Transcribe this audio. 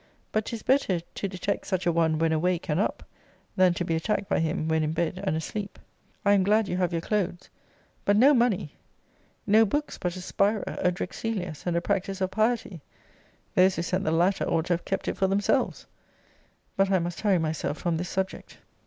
But 'tis better to detect such a one when awake and up, than to be attacked by him when in bed and asleep. I am glad you have your clothes. But no money! No books but a Spira, a Drexelius, and a Practice of Piety! Those who sent the latter ought to have kept it for themselves But I must hurry myself from this subject.